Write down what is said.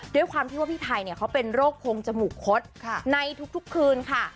ด้วยความที่ว่าพี่ไทยเขาเป็นโรคพงจมูกคดในทุกคืนค่ะ